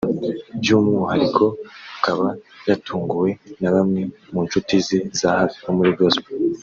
by’umwuhariko akaba yatunguwe na bamwe mu nshuti ze za hafi bo muri Gospel